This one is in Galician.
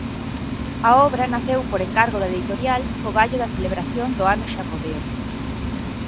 A obra naceu por encargo da editorial co gallo da celebración do Ano Xacobeo.